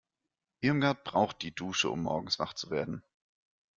Irmgard braucht die Dusche, um morgens wach zu werden.